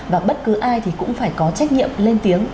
và bất cứ ai thì cũng phải có trách nhiệm lên tiếng